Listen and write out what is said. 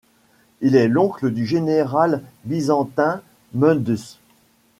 Il est l'oncle du général byzantin Mundus.